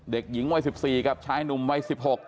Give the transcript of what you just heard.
เด็กหญิงวัย๑๔กับชายหนุ่มวัย๑๖